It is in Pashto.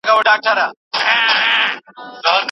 د دلارام په بازار کي د ټوکرانو لويې هټۍ سته.